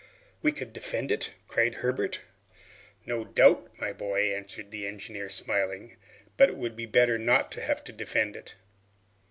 "We could defend it,', cried Herbert. "No doubt, my boy," answered the engineer smiling, "but it would be better not to have to defend it."